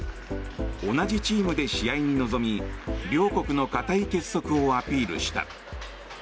同じチームで試合に臨み両国の固い結束をアピールした。